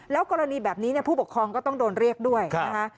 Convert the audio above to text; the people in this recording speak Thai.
กรณีแบบนี้ผู้ปกครองก็ต้องโดนเรียกด้วยนะคะ